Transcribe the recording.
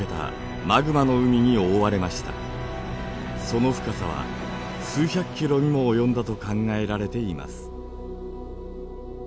その深さは数百キロにも及んだと考えられています。